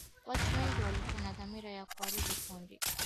watu wengi walikuwa na dhamira ya kuharibu kundi